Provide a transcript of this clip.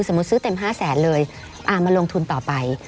ซื้อเต็ม๕แสนเลยมาลงทุนต่อไป